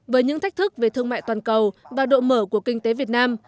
với những thách thức về thương mại toàn cầu và độ mở của kinh tế việt nam